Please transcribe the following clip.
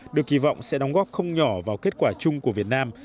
được kỳ vọng sẽ đóng góp không nhỏ vào kết quả chung của việt nam